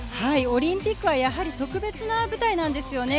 オリンピックはやはり特別な舞台です。